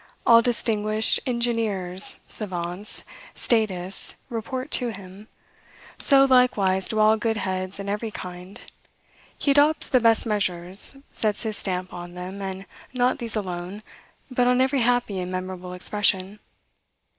All distinguished engineers, savants, statists, report to him; so likewise do all good heads in every kind; he adopts the best measures, sets his stamp on them, and not these alone, but on every happy and memorable expression.